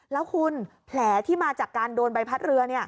แล้วคุณแผลที่มาจากการโดนใบพัดเรือ